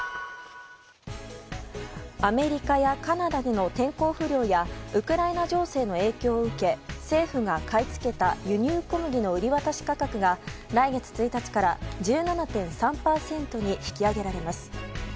アメリカやカナダでの天候不良やウクライナ情勢の影響を受け政府が買い付けた輸入小麦の売り渡し価格が来月１日から１７．３％に引き上げられます。